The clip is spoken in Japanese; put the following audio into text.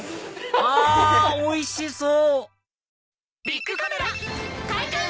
あおいしそう！